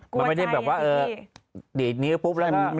นั่นแหละสิดีในนิ้วปุ๊บแหละ